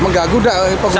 mengganggu tak pengguna jalan